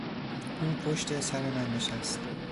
او پشت سر من نشست.